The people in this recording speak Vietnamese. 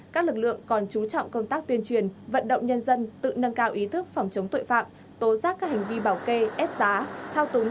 các lực lượng còn trú trọng công tác tuyên truyền vận động nhân dân tự nâng cao ý thức phòng chống tội phạm